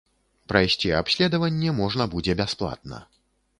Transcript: Прайсці абследаванне можна будзе бясплатна.